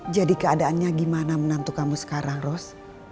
jadi keadaannya gimana menantu kamu sekarang ros